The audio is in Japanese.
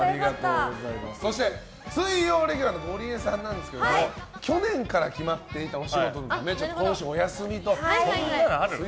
そして、水曜レギュラーのゴリエさんですが去年から決まっていたお仕事のためそんなのある？